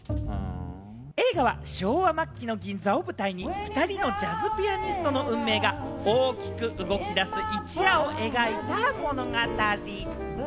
映画は昭和末期の銀座を舞台に２人のジャズピアニストの運命が大きく動きだす一夜を描いた物語。